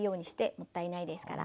もったいないですから。